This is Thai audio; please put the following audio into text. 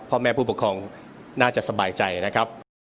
พ่อแม่ผู้ปกครองน่าจะสบายใจนะครับ